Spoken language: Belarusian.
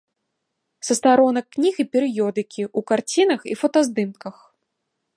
Са старонак кніг і перыёдыкі, у карцінах і фотаздымках.